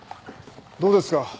どうですか？